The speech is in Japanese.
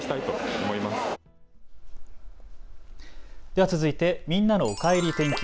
では続いてみんなのおかえり天気。